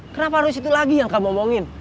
kenapa harus itu lagi yang kamu omongin